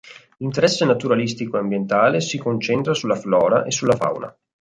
L'interesse naturalistico e ambientale si concentra sulla flora e sulla fauna.